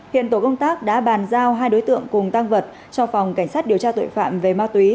hiện tổ công tác đã bàn giao hai đối tượng cùng tăng vật cho phòng cảnh sát điều tra tội phạm về ma túy